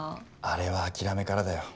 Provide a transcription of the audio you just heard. あれは諦めからだよ。